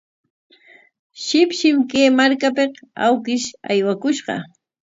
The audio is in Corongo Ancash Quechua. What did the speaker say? Shipshim kay markapik awkish aywakushqa.